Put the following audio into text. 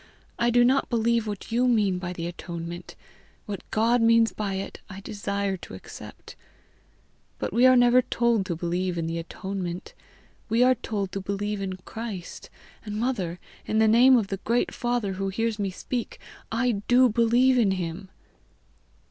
I do not believe what you mean by the atonement; what God means by it, I desire to accept. But we are never told to believe in the atonement; we are told to believe in Christ and, mother, in the name of the great Father who hears me speak, I do believe in him."